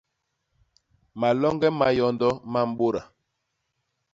Maloñge ma yondo ma mbôda.